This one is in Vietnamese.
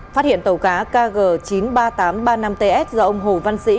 phát hiện tàu cá kg chín mươi ba nghìn tám trăm ba mươi năm ts do ông hồ văn sĩ